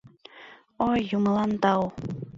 — Ой, юмылан тау!